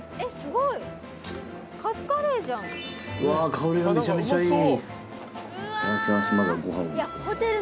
香りがめちゃめちゃいい。